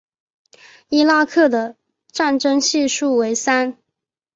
伊拉克的战争系数为三。